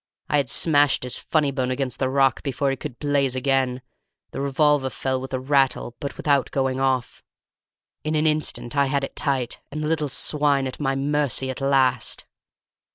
I had smashed his funny bone against the rock before he could blaze again; the revolver fell with a rattle, but without going off; in an instant I had it tight, and the little swine at my mercy at last."